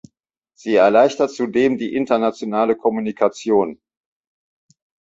Sie erleichtert zudem die internationale Kommunikation.